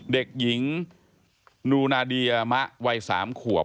เด็กหญิงนูนาเดียมะวัย๓ขวบ